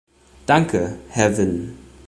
Danke, Herr Wynn.